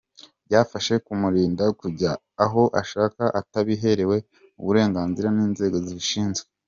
Byafasha kumurinda kujya aho ashaka atabiherewe uburenganzira n’inzego zibishinzwe.